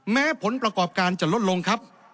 แม้ผลประกอบการจะลดลงครับ